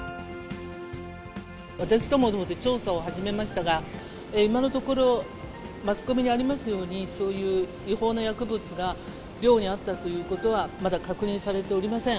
私どものほうで調査を始めましたが、今のところ、マスコミにありますように、そういう違法な薬物が寮にあったということは、まだ確認されておりません。